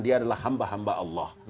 dia adalah hamba hamba allah